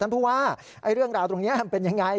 เพราะฉะนั้นผู้ว่าเรื่องราวตรงนี้เป็นอย่างไร